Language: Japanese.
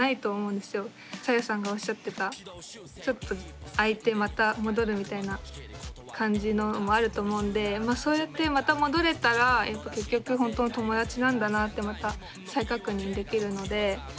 さゆさんがおっしゃってたちょっと空いてまた戻るみたいな感じのもあると思うんでそうやってまた戻れたらやっぱ結局本当の友達なんだなってまた再確認できるので。